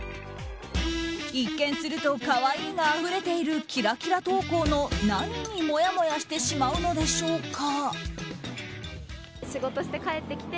一見すると可愛いがあふれているキラキラ投稿の何にもやもやしてしまうのでしょうか。